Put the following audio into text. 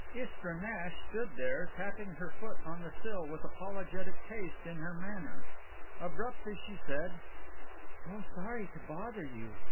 Istra Nash stood there, tapping her foot on the sill with apologetic haste in her manner. Abruptly she said: "So sorry to bother you.